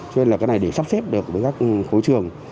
cho nên là cái này để sắp xếp được với các khối trường